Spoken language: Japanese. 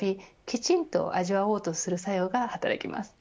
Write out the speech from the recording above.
きちんと味わおうとする作用が働きます。